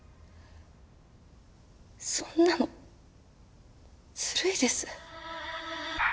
そんなのずるいです。